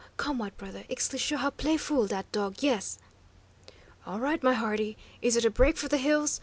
Come, white brother. Ixtli show how play fool dat dog; yes!" "All right, my hearty. Is it a break for the hills?